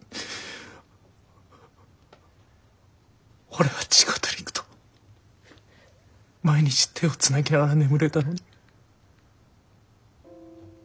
俺は千佳と璃久と毎日手をつなぎながら眠れたのに。